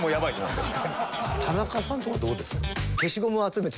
田中さんとかどうです？